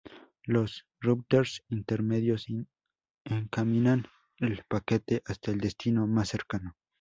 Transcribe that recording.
Los routers intermedios encaminan el paquete hasta el destino más cercano.